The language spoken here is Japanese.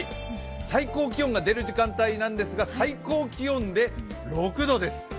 最高気温が出る時間帯なんですが最高気温で６度です。